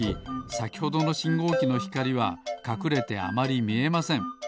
さきほどのしんごうきのひかりはかくれてあまりみえません。